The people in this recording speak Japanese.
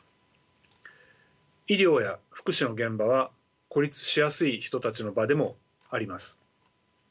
医療や福祉の現場は孤立しやすい人たちの場でもあります。